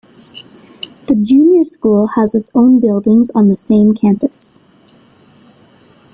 The Junior School has its own buildings on the same campus.